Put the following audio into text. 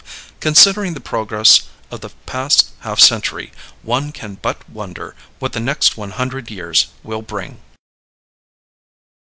Considering the progress of the past half century, one can but wonder what the next one hundred years will bring.